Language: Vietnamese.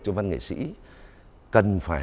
cho văn nghệ sĩ cần phải